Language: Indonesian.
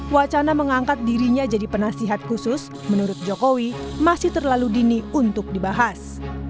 wacana mengangkat dirinya jadi penasihat khusus menurut jokowi masih terlalu dini untuk dibahas